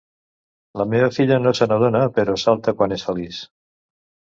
La meva filla no se n'adona, però salta quan és feliç.